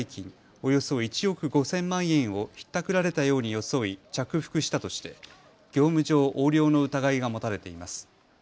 およそ１億５０００万円をひったくられたように装い着服したとして業務上横領の疑いが持たれています。